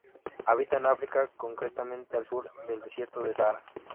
Habita en África, concretamente al sur del Desierto del Sáhara.